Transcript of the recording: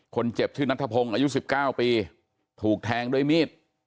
คนเจ็บชื่อนัทพงศ์อายุ๑๙ปีถูกแทงด้วยมีด